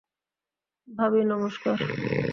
ভাবি, নমষ্কার।